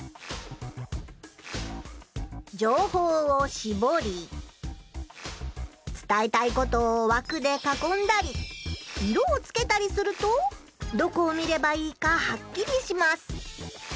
じょうほうをしぼりつたえたいことをわくでかこんだり色をつけたりするとどこを見ればいいかはっきりします。